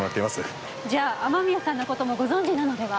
じゃあ雨宮さんの事もご存じなのでは？